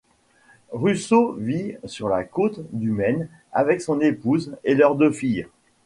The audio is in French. Russo vit sur la côte du Maine avec son épouse et leurs deux filles.